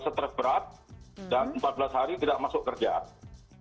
setres berat dan empat belas hari tidak masuk kerjaan